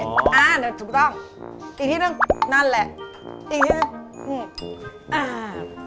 อ่าถูกต้องอีกที่หนึ่งนั่นแหละอีกที่หนึ่งอ่า